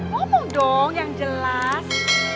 ngomong dong yang jelas